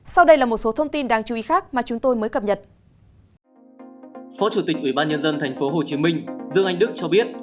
phó chủ tịch ủy ban nhân dân tp hcm dương anh đức cho biết